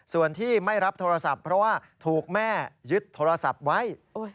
ส่วนที่ไม่รับโทรศัพท์เพราะว่าถูกแม่ยึดโทรศัพท์ไว้